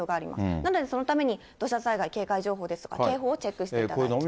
なので、そのために土砂災害警戒情報ですとか警報をチェックしていただきたいです。